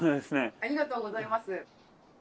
ありがとうございます。